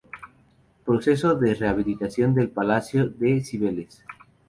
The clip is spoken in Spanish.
Proceso de rehabilitación del Palacio de Cibeles".